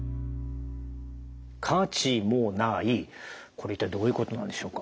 これ一体どういうことなんでしょうか？